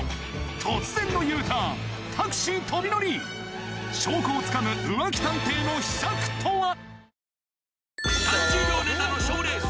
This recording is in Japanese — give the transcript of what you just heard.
突然のＵターンタクシー飛び乗り証拠をつかむ浮気探偵の秘策とは！？